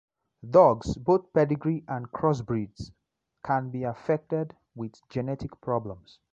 Dogs, both pedigree and cross breeds, can be affected with genetic problems.